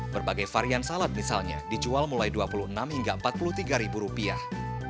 berbagai varian salad misalnya dijual mulai dua puluh enam hingga empat puluh tiga ribu rupiah